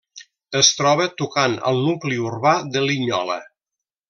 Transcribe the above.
Es troba tocant al nucli urbà de Linyola.